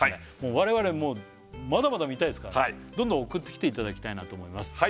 我々まだまだ見たいですからねどんどん送ってきていただきたいなと思います